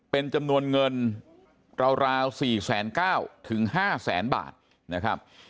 เป็นจำนวนเงินราวสี่แสนเก้าถึงห้าแสนบาทนะครับ